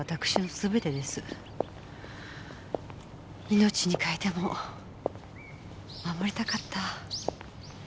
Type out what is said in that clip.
命に代えても守りたかった。